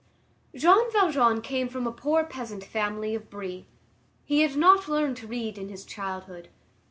Jean Valjean came from a poor peasant family of Brie. He had not learned to read in his childhood.